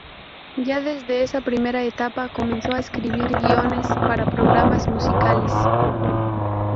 Ya desde esa primera etapa comenzó a escribir guiones para programas musicales.